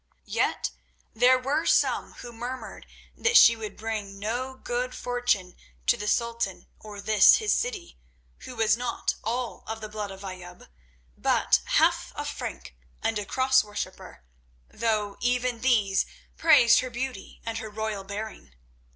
Yet there were some who murmured that she would bring no good fortune to the Sultan or this his city, who was not all of the blood of Ayoub, but half a Frank, and a Cross worshipper, though even these praised her beauty and her royal bearing.